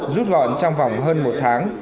rút gọn trong vòng hơn một tháng